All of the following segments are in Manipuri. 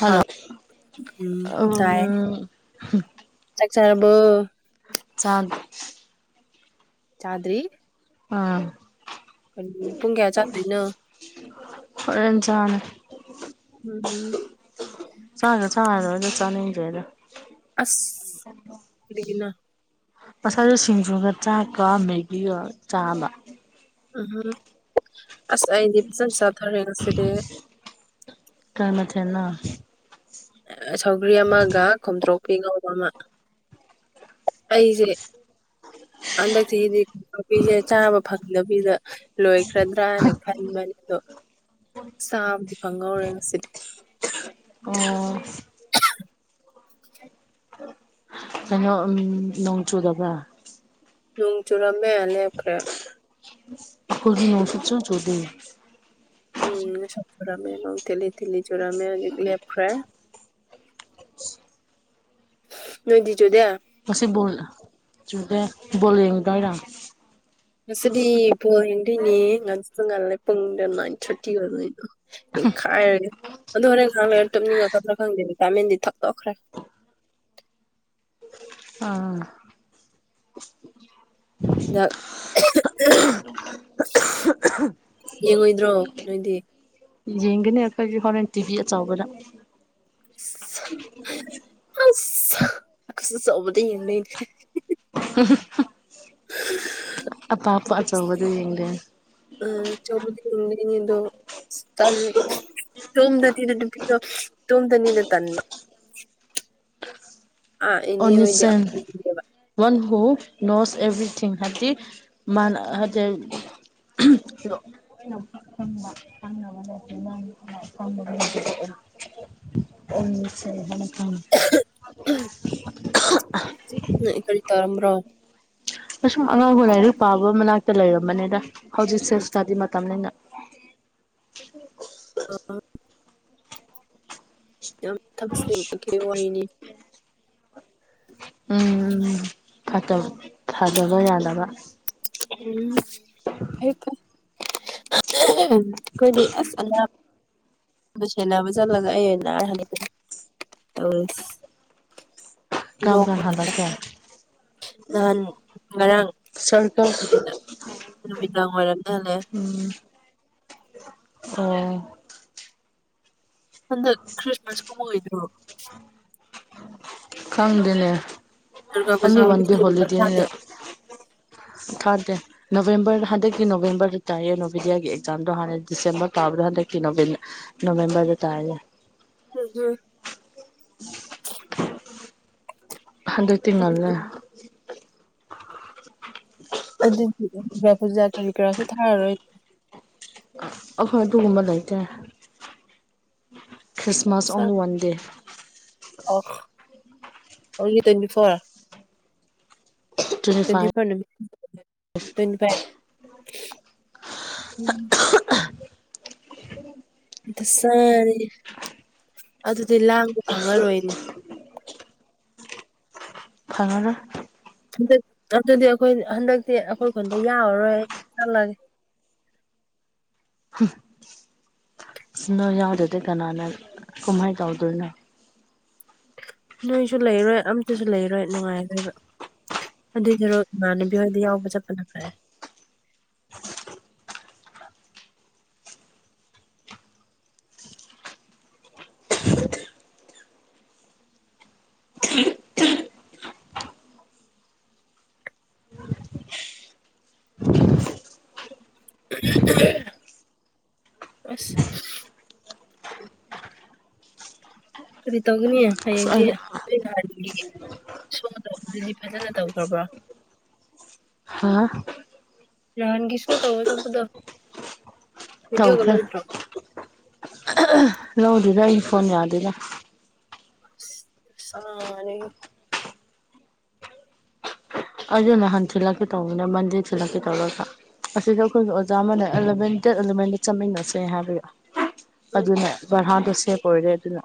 ꯍꯜꯂꯣ ꯎꯝ ꯇꯥꯏ ꯎꯝ ꯆꯥꯛ ꯆꯥꯔꯕꯣ ꯆꯥ ꯆꯥꯗ꯭ꯔꯤ ꯑꯥ ꯀꯩꯅꯣ ꯄꯨꯡ ꯀꯌꯥ ꯆꯥꯗꯣꯢꯅꯣ ꯍꯣꯔꯦꯟ ꯆꯥꯔꯦ ꯎꯝꯍꯝ ꯆꯣꯛꯒ ꯆꯥꯔꯔꯣꯢꯗ ꯆꯥꯅꯤꯡꯗ꯭ꯔꯦꯗ ꯀ꯭ꯔꯤꯒꯤꯅꯣ ꯉꯁꯥꯢꯒꯤ ꯁꯤꯡꯖꯨꯗꯣ ꯆꯥꯛꯀ ꯃꯦꯒꯤꯒ ꯆꯥꯕ ꯎꯝꯍꯝ ꯑꯁ ꯑꯩꯗꯤ ꯐꯖꯟ ꯆꯥꯊꯔꯦ ꯉꯁꯤꯗꯤ ꯀ꯭ꯔ ꯃꯊꯦꯟꯅꯣ ꯁꯧꯒ꯭ꯔꯤ ꯑꯃꯒ ꯈꯣꯝꯗ꯭ꯔꯣꯛꯄꯤ ꯉꯧꯕ ꯑꯃ ꯑꯩꯖꯦ [inaudible] ꯍꯟꯗꯛ ꯆꯍꯤꯗꯤ ꯈꯣꯝꯊꯣꯛꯄꯤꯖꯦ ꯆꯥꯕ ꯐꯪꯗꯕꯤꯗ ꯂꯣꯏꯈ꯭ꯔꯗ꯭ꯔꯥꯅ ꯈꯟꯕꯅꯦ ꯑꯗꯣ ꯆꯥꯕꯗꯤ ꯐꯪꯍꯧꯔꯦ ꯉꯁꯤꯗꯤ ꯑꯣ ꯀꯩꯅꯣ ꯎꯝ ꯅꯣꯡ ꯆꯨꯗꯕ꯭ꯔꯥ ꯅꯣꯡ ꯆꯨꯔꯝꯃꯦ ꯂꯦꯞꯈ꯭ꯔꯦ ꯑꯈꯣꯢꯗꯤ ꯅꯣꯡ ꯁꯨꯛꯆꯨ ꯆꯨꯗꯦ ꯎꯝ ꯉꯁꯥꯢ ꯆꯨꯔꯝꯃꯦ ꯅꯣꯡ ꯊꯤꯠꯂꯤ ꯊꯤꯠꯂꯤ ꯆꯨꯔꯝꯃꯦ ꯍꯧꯖꯤꯛꯇꯤ ꯂꯦꯞꯈ꯭ꯔꯦ [inaudible] ꯅꯣꯏꯗꯤ ꯆꯨꯗꯦ ꯉꯁꯤ ꯕꯣꯜꯂ ꯆꯨꯗꯦ ꯕꯣꯜ ꯌꯦꯡꯉꯨꯗꯣꯏꯔꯣ ꯉꯁꯤꯗꯤ ꯕꯣꯜ ꯌꯦꯡꯗꯨꯏꯅꯦ ꯉꯥꯟꯁꯨ ꯉꯟꯂꯦ ꯄꯨꯡꯗꯣ ꯅꯥꯏꯟ ꯊꯔꯇꯤ ꯑꯣꯏꯕꯒꯤꯀꯣ ꯅꯩꯈꯥꯏꯔꯅꯤ ꯑꯗꯨ ꯍꯣꯔꯦꯟ ꯉꯥꯛꯇꯅꯤ ꯂꯩꯔ ꯨꯝꯅꯤꯡꯉꯛꯀꯗ꯭ꯔꯥ ꯈꯪꯗꯦ ꯚꯤꯇꯥꯃꯤꯟꯗꯤ ꯊꯛꯇꯣꯛꯈ꯭ꯔꯦ [unintelligible] ꯗ [unintelligible] ꯌꯦꯡꯉꯣꯏꯗ꯭ꯔꯣ ꯅꯣꯏꯗꯤ ꯌꯦꯡꯗꯨꯏꯅꯦ ꯑꯩꯈꯣꯏꯖꯨ ꯍꯣꯔꯦꯟ ꯇꯤꯚꯤ ꯑꯆꯧꯕꯗ ꯏꯁ ꯁ ꯑꯁ ꯁ ꯑꯆꯧꯕꯗ ꯌꯦꯡꯗꯣꯏ ꯅꯦ [unintelligible] [unintelligible] ꯑꯄꯥꯛꯄ ꯑꯆꯧꯕꯗ ꯌꯦꯡꯗꯣꯏꯅꯤ ꯑ ꯆꯧꯕꯗꯤ ꯌꯦꯡꯕꯨꯗꯤ ꯌꯦꯡꯗꯧꯕ ꯑꯁ ꯇꯜꯂꯦ ꯏꯇꯨꯝꯗꯅꯤ ꯅꯨꯄꯤꯗꯣ ꯏꯇꯨꯝꯗꯅꯤꯅ ꯇꯟꯕ ꯑꯥ ꯏꯅꯦ ꯑꯣꯟꯂꯤ ꯍꯣꯏꯗꯤ ꯌꯥꯝ ꯁꯦꯟ ꯌꯦꯡꯗꯦꯕ ꯋꯥꯟ ꯍꯨ [unintelligible] ꯅꯣꯁ ꯑꯦꯚꯔꯤꯊꯤꯡ ꯍꯥꯏꯕꯗꯤ ꯃꯥꯅ ꯍꯥꯏ [unintelligible] [unintelligible] ꯎꯝ [unintelligible] [unintelligible] [unintelligible] ꯅꯣꯏ ꯀꯔꯤ ꯇꯧꯔꯝꯕ꯭ꯔꯣ ꯁꯨꯝ ꯑꯉꯥꯡꯍꯣꯏ ꯂꯥꯏꯔꯤꯛ ꯄꯥꯕ ꯃꯅꯥꯛꯇ ꯂꯩꯔꯝꯕꯅꯤꯗ ꯍꯧꯖꯤꯛ ꯁꯦ ꯎꯝ ꯏꯁꯇꯗꯤ ꯃꯇꯝꯅꯤꯅ ꯑꯣꯑꯣ ꯌꯥꯝ ꯊꯛꯁ [unintelligible] ꯋꯥꯔꯤꯅꯤ ꯐꯠꯇ ꯐꯗꯕ ꯌꯥꯗꯕ ꯎꯝ ꯐꯩ ꯐꯩ ꯑꯩꯈꯣꯏꯗꯤ ꯑꯁ ꯑꯉꯥꯡ ꯗꯨ ꯁꯦꯟꯅꯕ ꯆꯠꯂꯒ ꯑꯩ ꯑꯣꯏ ꯅꯔꯒ ꯍꯟꯂꯛꯑꯦ ꯇꯧꯔꯤꯁꯦ ꯀꯔꯝꯀꯥꯟ ꯍꯜꯂꯛ ꯀꯦ ꯅꯍꯥꯟ ꯉꯔꯥꯡ ꯅꯨꯃꯤꯗꯥꯡ [unintelligible] ꯅꯨꯃꯤꯗꯥꯡ ꯋꯥꯏꯔꯝꯗ ꯍꯜꯂꯛꯑꯦ ꯑꯣ ꯍꯟꯗꯥꯛ ꯈ꯭ꯔꯤꯁꯃꯁ ꯀꯨꯝꯃꯛꯏꯑꯣꯗ꯭ꯔꯣ ꯈꯪꯗꯦꯅꯦ ꯄꯨꯖꯥ ꯑꯣꯟꯂꯤ ꯋꯥꯟ ꯗꯦ ꯍꯣꯂꯤꯗꯦꯒꯨꯝꯕ ꯍꯣꯂꯤꯗꯦꯅꯦ ꯊꯥꯗꯦ ꯊꯥꯗꯦ ꯅꯣꯕꯦꯝꯕꯔ ꯍꯟꯗꯛꯀꯤ ꯅꯣꯕꯦꯝꯕꯔ ꯗ ꯇꯥꯏꯌꯦ ꯅꯣꯕꯦꯗꯤꯌꯥꯒꯤ ꯑꯦꯛꯖꯥꯝꯗꯣ ꯍꯥꯟꯅꯗꯤ ꯗꯤꯁꯦꯝꯕꯔ ꯇꯥꯕꯗꯣ ꯍꯟꯗꯛꯇꯤ ꯍꯟꯗꯛꯀꯤ ꯅꯣꯕꯦꯝ ꯅꯣꯕꯦꯝꯕꯔꯗ ꯇꯥꯏꯌꯦ [unintelligible] ꯍꯟꯗꯛꯇꯤ ꯉꯜꯂꯦ ꯑꯗꯨꯗꯤ ꯗꯨꯔꯒꯥ ꯄꯨꯖꯥ ꯀꯔꯤ ꯀꯔꯥꯁꯨ ꯊꯥꯔꯔꯣꯏ ꯑꯩꯈꯣꯏ ꯑꯗꯨꯒꯨꯝꯕ ꯂꯩꯇ꯭ꯔꯦ Christmas only one day uh only twenty four twenty four ꯅꯨꯃꯤꯠ ꯇ꯭ꯋꯦꯟꯇꯤ ꯐꯥꯏꯐ ꯎꯝ ꯗꯁꯥꯅꯤꯅꯦ ꯑꯗꯨꯗꯤ ꯂꯥꯡꯕ ꯈꯪꯉꯔꯣꯏꯅꯦ ꯐꯪꯉꯔꯣꯏ [unintelligible] ꯍꯟꯗꯛ ꯑꯗꯨꯗꯤ ꯑꯩꯈꯣꯏ ꯍꯟꯗꯛꯇꯤ ꯑꯩꯈꯣꯏ ꯈꯨꯣꯟꯗ ꯌꯥꯔꯔꯣꯏ ꯑꯆꯠꯂꯒꯦ [inaudible] ꯅꯣꯢ ꯌꯥꯎꯗꯗꯤ ꯀꯅꯥꯅ ꯀꯨꯝꯍꯩ ꯇꯧꯗꯣꯏꯅꯣ ꯅꯣꯏꯁꯨ ꯂꯩꯔꯣꯏ ꯑꯝꯇꯁꯨ ꯂꯩꯔꯣꯏ ꯅꯨꯡꯉꯥꯏꯔꯣꯏꯕ ꯑꯗꯨꯏꯗꯨꯔꯣ ꯏꯃꯥꯟꯅꯕꯤ ꯍꯣꯏꯗ ꯌꯥꯎꯕ ꯆꯠꯄꯅ ꯐꯔꯦ [inaudible] [unintelligible] ꯑꯁ ꯀꯔꯤ ꯇꯧꯒꯅꯤ ꯑꯁ ꯍꯌꯦꯡꯗꯤ ꯑꯩ [unintelligible] ꯒꯤꯗꯤ ꯁꯣ ꯇꯧꯕꯗꯗꯤ ꯐꯖꯅ ꯇꯧꯈ꯭ꯔꯕ꯭ꯔꯣ ꯍꯥꯥ ꯅꯍꯥꯟꯒꯤ ꯁꯣ ꯇꯧꯕ ꯆꯠꯄꯗꯣ ꯕꯤꯗꯤꯑꯣꯒ ꯇꯧꯈ꯭ꯔꯦ ꯂꯧꯗ꯭ꯔꯣ ꯂꯧꯗꯦꯗ ꯑꯩ ꯐꯣꯟ ꯌꯥꯗꯦꯗ ꯑ ꯁꯥꯔꯦꯍꯦ ꯑꯗꯨ ꯅꯍꯥꯟ ꯊꯤꯜꯂꯛꯀꯦ ꯇꯧꯕꯅꯦ ꯃꯟꯗꯦ ꯊꯤꯜꯂꯛꯀꯦ ꯇꯧꯔꯒ ꯑꯁꯤꯗ ꯑꯩꯈꯣꯏꯒꯤ ꯑꯣꯖꯥ ꯑꯃꯅ ꯑꯦꯂꯚꯦꯟ ꯗꯦꯠ ꯑꯦꯂꯚꯦꯟꯗ ꯆꯠꯃꯤꯟꯅꯁꯦ ꯍꯥꯏꯕꯒꯤ ꯎꯝ ꯑꯗꯨꯅ ꯕꯔꯍꯥꯗꯣ ꯁꯦꯞ ꯑꯣꯏꯔꯦ ꯑꯗꯨꯅ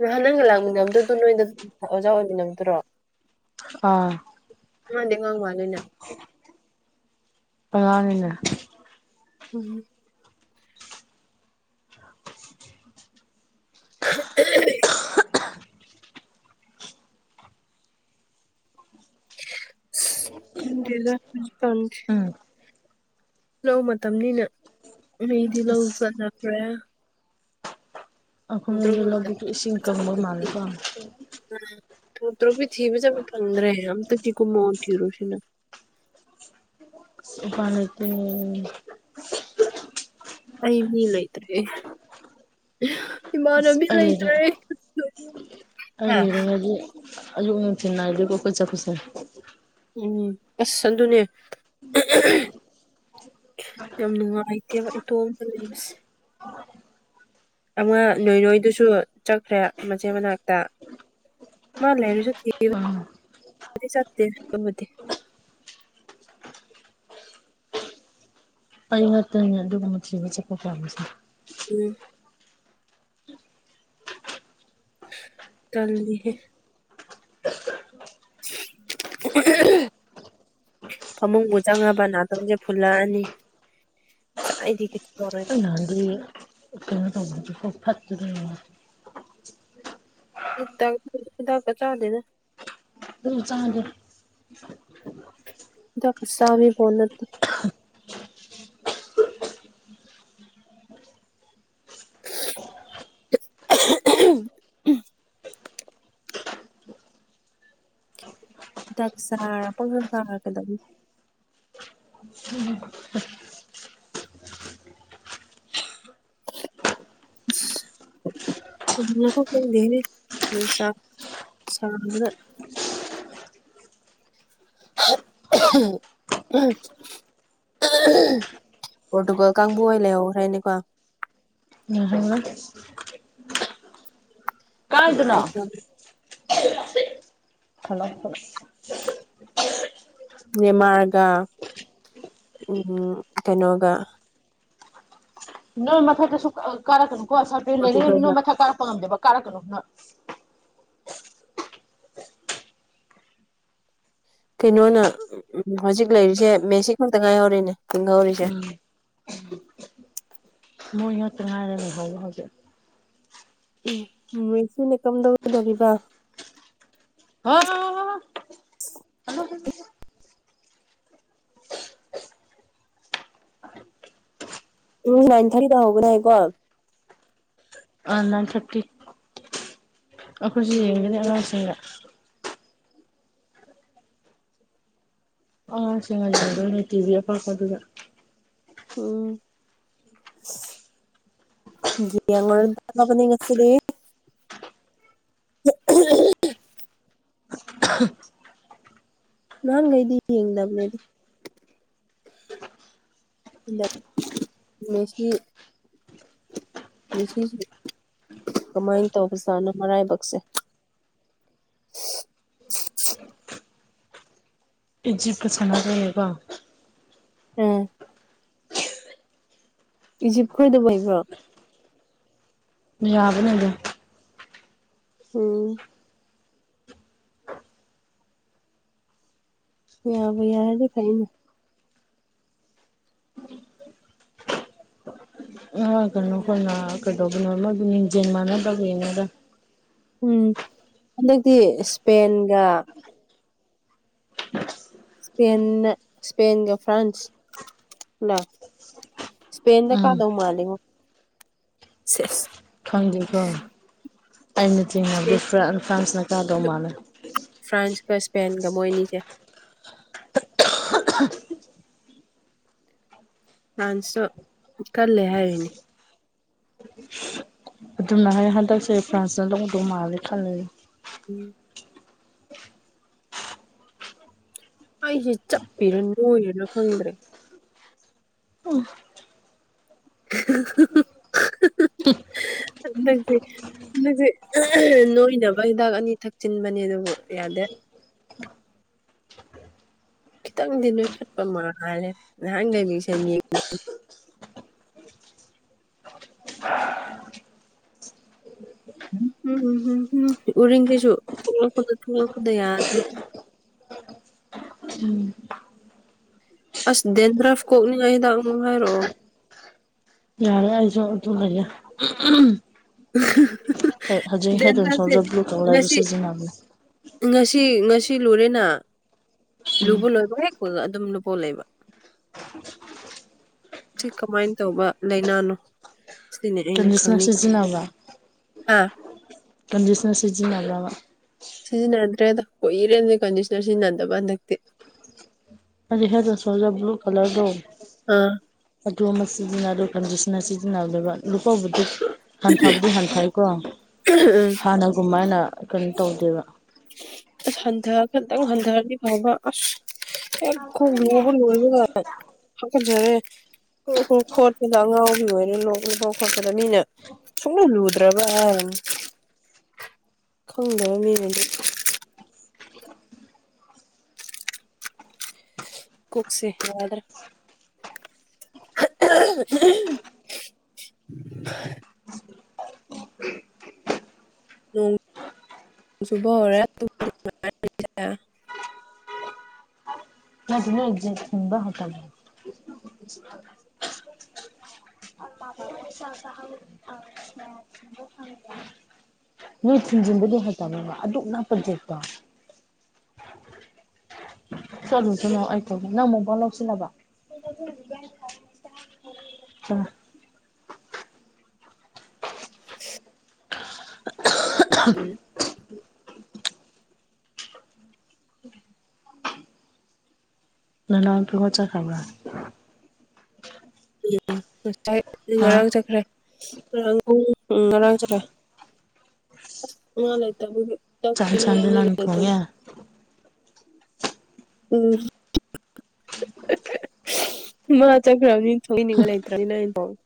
ꯅꯍꯥꯟ ꯅꯪꯒ ꯂꯥꯛꯃꯤꯟꯅꯝꯕꯗꯣ ꯅꯣꯏꯗ ꯑꯣꯖꯥ ꯑꯣꯏꯃꯤꯟꯅꯗꯨꯔꯣ ꯑꯥ ꯃꯥꯗꯤ ꯑꯉꯥꯡ ꯃꯥꯜꯂꯤꯅꯦ ꯑꯉꯥꯡꯅꯤꯅꯦ ꯎꯝ ꯑꯍꯍꯝ ꯑꯁ ꯈꯪꯗꯦꯗ ꯍꯨꯖꯤꯀꯥꯟꯁꯦ ꯎꯝ ꯂꯧ ꯃꯇꯝꯅꯤꯅ ꯃꯤꯗꯤ ꯂꯧ ꯑꯁ ꯆꯠꯅꯈ꯭ꯔꯦ ꯑꯈꯣꯢ ꯗ꯭ꯔꯣꯞ ꯍꯟꯗꯛ ꯂꯧꯗꯤ ꯃꯇꯝ ꯏꯁꯤꯡ ꯀꯪꯕ ꯃꯥꯜꯂꯦꯀꯣ ꯇ꯭ꯔꯣ ꯇ꯭ꯔꯣꯕꯤ ꯊꯤꯕ ꯆꯠꯄ ꯐꯪꯗ꯭ꯔꯦ ꯑꯝꯇꯗꯤ ꯀꯨꯝꯃꯛꯑꯣ ꯊꯔꯨꯁꯤꯅ ꯎꯄꯥꯢ ꯂꯩꯇꯦ ꯑꯩ ꯃꯤ ꯂꯩꯇꯔꯦ ꯑꯁ ꯑꯩ ꯂꯩꯔꯦ ꯑꯩ ꯍꯥ. ꯂꯩꯔꯛꯑꯗꯤ ꯑꯌꯨꯛ ꯅꯨꯡꯊꯤꯟ ꯅꯥꯏꯗꯦꯀꯣ ꯈꯣꯏ ꯆꯠꯄꯁꯦ ꯎꯝ ꯑꯁ ꯑꯗꯨꯅꯦ ꯌꯥꯝ ꯅꯨꯡꯉꯥꯏꯇꯦꯕ ꯏꯇꯣꯝꯗ ꯂꯩꯕꯁꯦ ꯑꯃ ꯅꯣꯏ ꯅꯣꯏꯗꯨꯁꯨ ꯆꯠꯈ꯭ꯔꯦ ꯃꯆꯦ ꯃꯅꯥꯛꯇ ꯃꯥ ꯂꯩꯔꯁꯨ ꯑꯥ ꯊꯦꯕꯗꯤ ꯆꯠꯇꯦ ꯑꯃꯗꯤ [inaudible] ꯑꯩ ꯉꯥꯇꯅꯦ ꯑꯗꯨꯒꯨꯝꯕ ꯊꯤꯕ ꯆꯠꯄ ꯄꯥꯝꯃꯤꯁꯦ ꯎ ꯇꯥꯜꯂꯤ ꯍꯦ [unintelligible] ꯐꯃꯨꯡꯕꯨ ꯆꯪꯉꯕ ꯅꯥꯇꯣꯟꯁꯦ ꯐꯨꯜꯂꯛꯑꯅꯤ ꯉꯥꯁꯥꯢꯗꯒꯤ ꯑꯗꯤ [unintelligible] ꯀꯩꯅꯣ ꯐꯠ ꯍꯤꯗꯥꯛꯀꯍꯤꯗꯛꯀꯥ ꯆꯥꯗꯦꯗ ꯑꯗꯨꯝ ꯆꯥ [unintelligible] ꯍꯤꯗꯥꯛ ꯆꯕꯤꯄꯣꯠ ꯅꯠꯇꯦ ꯎꯝ [inaudible] ꯍꯤꯗꯥꯛ ꯆꯥꯔꯥ ꯄꯪꯆꯥ ꯆꯥꯔ ꯀꯩꯗꯧꯅꯤ ꯑꯁ [unintelligible] [unintelligible] ꯄꯣꯔꯇꯨꯒꯜ ꯀꯥꯡꯕꯨ ꯍꯣꯏ ꯂꯩꯍꯧꯈ꯭ꯔꯦꯅꯦꯀꯣ ꯂꯩꯍꯧꯔꯦ ꯅꯨꯉꯥꯢꯇꯝꯅ ꯍꯜꯂꯣ ꯅꯦꯃꯥꯔꯒ ꯎꯝ ꯀꯩꯅꯣꯒ ꯅꯣꯏ ꯃꯊꯛꯇ ꯁꯨꯀꯥ ꯀꯥꯔꯛꯀꯅꯨ ꯀꯣ ꯁꯔꯄꯦꯟ ꯂꯩꯔꯤꯉꯩ ꯄꯣꯔꯇꯨꯒꯜꯒ ꯅꯣꯏ ꯃꯊꯛ ꯀꯥꯔꯛꯄ ꯉꯝꯗꯦꯕ ꯀꯥꯔꯛꯀꯅꯨ ꯅꯣꯢ ꯀꯩꯅꯣꯅ ꯎꯝ ꯍꯧꯖꯤꯛ ꯂꯩꯔꯤꯁꯦ ꯃꯦꯁꯤ ꯈꯛꯇ ꯉꯥꯏꯍꯧꯔꯦꯅꯦ ꯍꯤꯡꯍꯧꯔꯤꯁꯦ ꯎꯝ ꯃꯣꯏ ꯉꯥꯥꯛꯇ ꯉꯥꯢꯔꯦ ꯂꯩꯍꯧꯕ ꯍꯧꯖꯤꯛ ꯎꯝ ꯎꯝ ꯃꯦꯁꯤꯅ ꯀꯝꯗꯧꯗꯣꯔꯤꯕ [unintelligible] ꯎꯝ ꯅꯥꯏꯟ ꯊꯥꯔꯇꯤꯗ ꯍꯧꯕꯅꯦꯀꯣ ꯑꯥ ꯅꯥꯏꯟ ꯊꯥꯔꯇꯤ ꯑꯈꯣꯏꯁꯨ ꯌꯦꯡꯒꯅꯤ ꯌꯦꯡꯉꯨꯔ ꯑꯉꯥꯡꯁꯤꯡꯒ ꯑꯉꯥꯡꯁꯤꯡꯒ ꯌꯦꯡꯗꯣꯏꯅꯦ ꯇꯤ ꯚꯤ ꯑꯄꯥꯛꯄꯗꯨꯗ [unintelligible] ꯌꯦꯡꯉꯨꯔꯗꯕꯅꯦ ꯉꯁꯤꯗꯤ [unintelligible] ꯅꯥꯍꯟ ꯒꯩꯗꯤ ꯌꯦꯡꯗꯝꯅꯦ ꯑꯗꯨ [inaudible] ꯃꯦꯁꯤꯁꯦ ꯀꯃꯥꯏ ꯇꯧꯕꯖꯥꯠꯅꯣ ꯃꯔꯥꯏꯕꯛꯁꯦ [unintelligible] ꯏꯖꯤꯞꯀ ꯁꯥꯟꯅꯗꯣꯢ ꯅꯦꯀꯣ ꯎꯝ ꯏꯖꯤꯞ ꯈꯣꯢꯗꯨꯕꯨ ꯍꯩꯕ꯭ꯔꯣ ꯃꯌꯥꯕꯅꯦ ꯑꯗꯨꯝ ꯎꯝ ꯌꯥꯕꯨ ꯌꯥꯔꯗꯤ ꯐꯩꯅꯦ ꯑ ꯀꯩꯅꯣ ꯈꯣꯏꯅ ꯀꯩꯗꯧꯕꯅꯣ ꯃꯣꯏꯕꯨ ꯂꯤꯡꯖꯦꯜ ꯃꯥꯟꯅꯗꯕꯩꯅꯦꯗ ꯎꯝ ꯍꯟꯗꯛꯇꯤ ꯏꯁꯄꯦꯟꯒ ꯢꯁꯄꯦꯟꯅ ꯏꯁꯄꯦꯟꯒ ꯐ꯭ꯔꯥꯟꯁ ꯂꯥ ꯏꯁꯄꯦꯟꯗ ꯎꯝ ꯀꯥꯗꯧ ꯃꯥꯜꯂꯤꯉꯣ ꯁꯦꯖ ꯈꯪꯗꯦꯀꯣ ꯑꯩꯅ ꯆꯤꯡꯅꯕꯗꯤ ꯏꯁꯄꯦꯟ ꯐ꯭ꯔꯟ ꯐ꯭ꯔꯥꯟꯁꯅ ꯀꯥꯗꯧ ꯃꯥꯟꯂꯦ ꯄ꯭ꯔꯁꯄꯦꯟꯒ ꯃꯣꯏꯅꯤꯁꯦ ꯐ꯭ꯔꯥꯟꯁ ꯁꯨ ꯀꯜꯂꯦ ꯍꯥꯏꯔꯤꯅꯦ ꯑꯗꯨꯝꯅ ꯍꯥꯏ ꯍꯟꯗꯛꯁꯦ ꯐ꯭ꯔꯥꯟꯁꯅ ꯂꯧꯗꯧ ꯃꯥꯟꯂꯦ ꯈꯜꯂꯦ ꯎꯝ ꯑꯩꯁꯦ ꯆꯞꯄꯤꯔ ꯅꯣꯏꯔꯤꯔ ꯈꯪꯗ꯭ꯔꯦ [unintelligible] [unintelligible] ꯍꯟꯗꯛꯁꯦ ꯍꯟꯗꯛꯁꯦ ꯅꯣꯏꯅꯕ ꯍꯤꯗꯥꯛ ꯑꯅꯤ ꯊꯛꯆꯤꯟꯕꯅꯦ ꯑꯗꯨꯕꯨ ꯌꯥꯗꯦ [unintelligible] ꯈꯤꯇꯪꯗꯤ ꯅꯣꯏꯈꯠꯄ ꯃꯥꯜꯂꯦ ꯅꯍꯥꯟꯒꯩ ꯃꯤꯟꯁꯦꯡ ꯌꯦꯡꯗꯕꯒꯤ [unintelligible] [unintelligible] ꯎꯔꯤꯡꯁꯤꯁꯨ ꯊꯣꯛꯂꯛꯄꯗ ꯊꯣꯛꯂꯛꯄꯗ ꯌꯥꯗ꯭ꯔꯦ [unintelligible] ꯑꯁ ꯗꯦꯟꯗ꯭ꯔꯐ ꯀꯣꯛꯅꯤꯡꯉꯏ ꯍꯤꯗꯥꯛ ꯃꯃꯤꯡ ꯍꯥꯏꯔꯛꯑꯣ ꯌꯥꯔꯦ ꯌꯥꯔꯦ [unintelligible] ꯍꯣꯏ ꯍꯧꯖꯤꯛ ꯍꯦꯠ ꯑꯦꯟ ꯗꯦꯟꯗ꯭ꯔꯐꯁꯦ ꯁꯣꯜꯖꯔ ꯕ꯭ꯂꯨ ꯀꯂꯔꯗꯣ ꯁꯤꯖꯤꯟꯅꯕꯅꯤ ꯇꯤ ꯉꯁꯤ ꯂꯨꯔꯦꯅ ꯂꯨꯕ ꯂꯣꯏꯕꯒ ꯍꯦꯛꯄꯒ ꯑꯗꯨꯝ ꯂꯨꯄꯧ ꯂꯩꯕ ꯁꯤ ꯀꯃꯥꯏ ꯇꯧꯕ ꯂꯩꯅꯅꯣ ꯁꯤꯗꯅꯤ ꯑꯩꯅ ꯀꯟꯗꯤꯁꯅꯔ ꯈꯪꯅꯤꯡꯉꯤꯁꯦ ꯁꯤꯖꯤꯟꯅꯕ꯭ꯔꯥ ꯍꯥꯥ ꯀꯟꯗꯤꯁꯅꯔ ꯁꯤꯖꯟꯅꯕ꯭ꯔꯕ ꯁꯤꯖꯤꯟꯅꯗ꯭ꯔꯦꯗ ꯀꯨꯏꯔꯦ ꯀꯟꯗꯤꯁꯅꯔ ꯁꯤꯖꯤꯟꯅꯗꯕ ꯍꯟꯗꯛꯇꯤ ꯑꯗꯨ ꯍꯦꯠ ꯑꯦꯟ ꯁꯣꯜꯖꯔꯗ ꯕ꯭ꯂꯨ ꯀꯂꯔꯗꯣ ꯑꯥ ꯑꯗꯨ ꯑꯃ ꯁꯤꯖꯤꯟꯅꯧ ꯑꯗꯨ ꯀꯟꯗꯤꯁ ꯅ ꯁꯤꯖꯤꯟꯅꯗꯣꯏꯕ ꯂꯨꯄꯧꯕꯨꯗꯤ ꯍꯟꯊꯕꯨꯗꯤ ꯍꯟꯊꯩꯀꯣ ꯍꯥꯟꯅꯒꯨꯝꯥꯏꯅ ꯀꯔꯤ ꯇꯧꯗꯦꯕ ꯑꯁ ꯍꯟꯊ ꯈꯛꯇꯪ ꯍꯟꯊꯔꯗꯤ ꯐꯕ ꯑꯁ ꯍꯦꯛ ꯀꯣꯛ ꯂꯨꯕ ꯂꯣꯏꯕꯒ ꯍꯥꯒꯖꯔꯦ ꯀꯣꯔꯣ ꯀꯣꯔꯣ ꯣꯠꯄꯗ ꯑꯉꯥꯎꯕꯤ ꯑꯣꯏꯔꯦ ꯂꯣꯛ ꯂꯨꯄꯧ ꯈꯣꯠꯄꯗ ꯃꯤꯅ ꯁꯨꯛꯂꯨ ꯂꯨꯗ꯭ꯔꯕ ꯍꯥꯏꯔꯅꯤ ꯈꯣꯡꯗꯕ ꯃꯤꯅꯗꯤ ꯀꯣꯛꯁꯦ ꯌꯥꯗ꯭ꯔꯦ [unintelligible] ꯅꯣꯡ ꯆꯨꯕ ꯍꯧꯔꯛꯑꯦ ꯇꯨꯝ [unintelligible] [unintelligible] [unintelligible] ꯅꯣꯏ ꯊꯤꯟꯖꯤꯟꯕꯗꯤ ꯍꯩꯇꯕ꯭ꯔꯕ ꯑꯗꯨꯛ ꯅꯛꯄ ꯖꯦꯛꯇꯣ ꯆꯠꯂꯨꯁꯤꯂꯥꯎ ꯑꯩ ꯇꯧꯒꯦ ꯅꯪ ꯃꯣꯝꯄꯛ ꯂꯧꯁꯤꯜꯂꯕ ꯑ [unintelligible] ꯅꯅꯎꯄꯤ ꯈꯣꯏ ꯆꯥꯠꯈ꯭ꯔꯕ꯭ꯔ ꯎꯝ ꯎꯝ ꯉꯁꯥꯏ ꯍꯥ ꯉꯔꯥꯡ ꯆꯠꯈ꯭ꯔꯦ ꯉꯔꯥꯡ ꯄꯨꯡ ꯎꯝ ꯉꯔꯥꯡ ꯆꯠꯈ꯭ꯔꯦ ꯑꯁ ꯃꯥ ꯂꯩꯇꯕꯒꯤ ꯆꯛ ꯆꯥꯛ ꯊꯣꯡꯅꯤꯡꯉꯥꯏ ꯏꯟꯁꯥꯡꯗꯤ ꯃꯤ ꯅꯪꯅ ꯂꯩꯇ [unintelligible] ꯊꯣꯡꯉꯦ ꯎꯝ [unintelligible] ꯃꯥ ꯆꯠꯈ꯭ꯔꯝꯅꯤꯅ ꯊꯣꯡꯕꯤꯅꯤꯡꯉꯥꯏ ꯂꯩꯇ꯭ꯔꯕꯅꯤꯅ [unintelligible]